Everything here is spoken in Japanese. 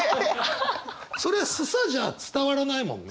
それは「すさ」じゃ伝わらないもんね。